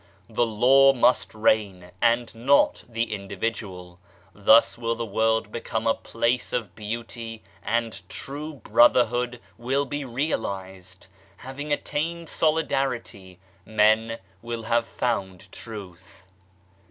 The Law must reign, and not the individual ; thus will the world become a place of beauty and true brotherhood will be realized. Having attained Solidarity, men will have found Truth.